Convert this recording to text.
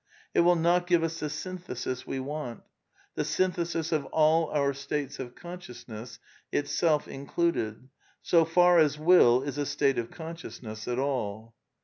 It will not give us the synthesis we want ; the synthesis of all our states of consciousness, itself included ; so far as will is a state of consciousness at all.